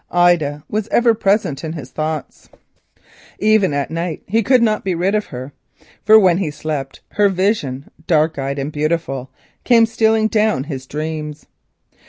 Ida was ever present in his thoughts; even at night he could not be rid of her, for when he slept her vision, dark eyed and beautiful, came stealing down his dreams.